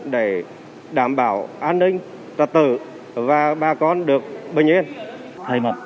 để giải thích cho người dân